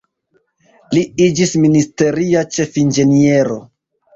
Li iĝis ministeria ĉefinĝeniero.